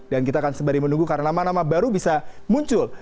dan kita akan sembari menunggu karena nama nama baru bisa muncul